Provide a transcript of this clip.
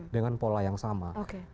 dengan pola yang sama